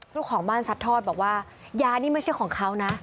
ลูกของบ้านสัตว์ทอดบอกว่ายานี่ไม่ใช่ของเขา